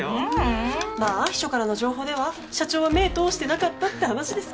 まあ秘書からの情報では社長は目通してなかったって話ですけど。